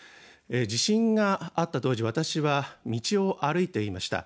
地震があった当時、私は道を歩いていました。